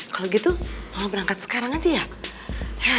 kalau gitu kalau berangkat sekarang aja ya